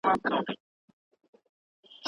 ليکوال بايد له ټولني څخه پردی نه وي.